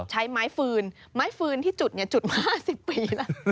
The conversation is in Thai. ใช้ไม้ฟืนไม้ฟืนที่จุดจุด๕๐ปีแล้ว